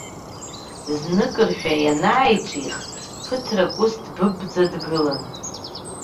Зныкыршәа ианааиҿих, ԥыҭрак ус дбыбӡа дгылан.